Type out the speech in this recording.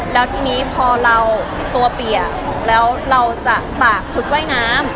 แล้วทีนี้พอเราตัวเปียกแล้วเราจะตากชุดว่ายน้ำ